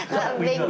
bình thường ạ